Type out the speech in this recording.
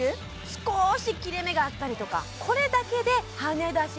少し切れ目があったりとかこれだけではねだし